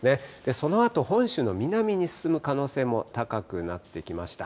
そのあと本州の南に進む可能性も高くなってきました。